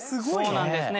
そうなんですね。